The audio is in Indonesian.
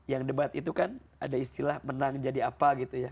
yang debat itu kan ada istilah menang jadi apa gitu ya